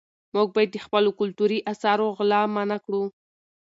موږ باید د خپلو کلتوري اثارو غلا منعه کړو.